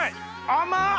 甘っ！